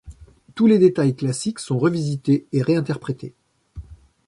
Tous les détails classiques sont revisités et réinterprété.